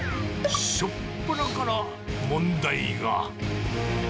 しょっぱなから問題が。